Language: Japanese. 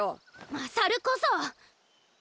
勝こそ！